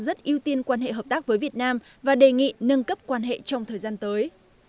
rất ưu tiên quan hệ hợp tác với việt nam và đề nghị nâng cấp quan hệ trong thời gian tới